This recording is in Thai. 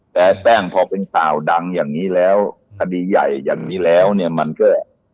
แต่แป้งพอเป็นข่าวดังอย่างนี้แล้วคดีใหญ่อย่างนี้แล้วเนี่ยมันก็